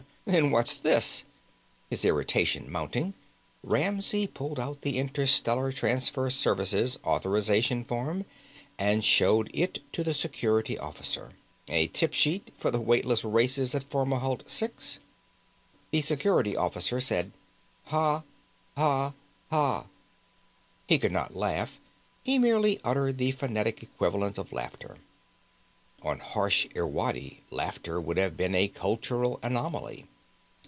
Then what's this?" His irritation mounting, Ramsey pulled out the Interstellar Transfer Service authorization form and showed it to the Security Officer. "A tip sheet for the weightless races at Fomalhaut VI?" The Security Officer said: "Ha, ha, ha." He could not laugh; he merely uttered the phonetic equivalent of laughter. On harsh Irwadi, laughter would have been a cultural anomaly.